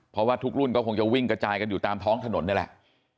เพราะว่าทุกรุ่นก็คงจะวิ่งกระจายกันอยู่ตามท้องถนนนี่แหละ